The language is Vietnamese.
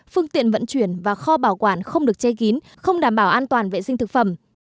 phương tiện vận chuyển và kho bảo quản không được che kín không đảm bảo an toàn vệ sinh thực phẩm